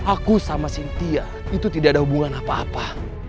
aku sama sintia itu tidak ada hubungan apa apa